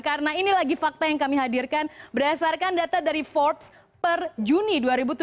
karena ini lagi fakta yang kami hadirkan berdasarkan data dari forbes per juni dua ribu tujuh belas